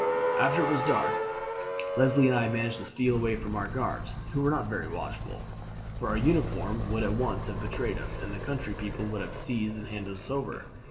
"After it was dark Leslie and I managed to steal away from our guards, who were not very watchful, for our uniform would at once have betrayed us, and the country people would have seized and handed us over.